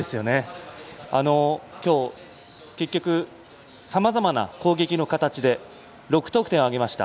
きょう、結局さまざまな攻撃の形で６得点を挙げました。